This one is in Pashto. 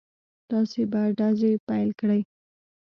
تاسې به ډزې پيل کړئ.